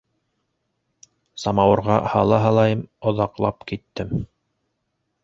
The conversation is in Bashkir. Самауырға һала һалайым, оҙаҡлап киттем.